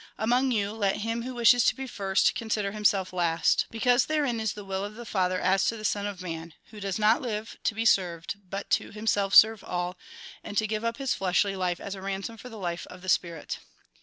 Among you, let him who wishes to be first, consider himself last. Because therein is the will of the Father as to the Son of Man ; who does not live to be served, but to him self serve all, and to give up his fleshly life as a ransom for the life of the spirit."